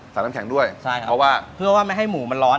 สารน้ำแข็งด้วยเพราะว่าใช่ครับเพราะว่าไม่ให้หมูมันร้อน